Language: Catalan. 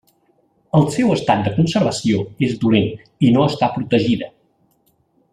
El seu estat de conservació és dolent i no està protegida.